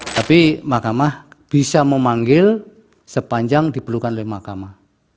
tapi mahkamah bisa memanggil sepanjang diperlukan oleh mahkamah